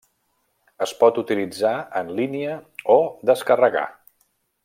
Es pot utilitzar en línia o descarregar.